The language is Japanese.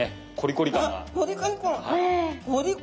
コリコリ感。